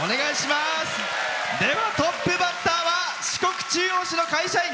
トップバッターは四国中央市の会社員。